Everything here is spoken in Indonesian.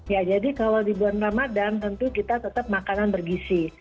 ya jadi kalau di bulan ramadan tentu kita tetap makanan bergisi